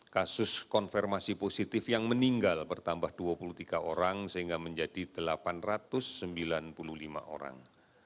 kasus konfirmasi positif yang meninggal bertambah dua puluh tiga orang sehingga menjadi delapan ratus sembilan puluh lima orang